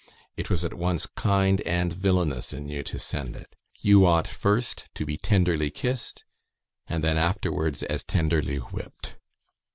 It was at once kind and villainous in you to send it. You ought first to be tenderly kissed, and then afterwards as tenderly whipped.